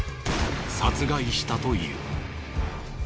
殺害したという。